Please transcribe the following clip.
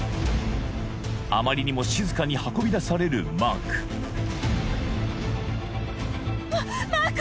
あまりにも静かに運び出されるマークマーク！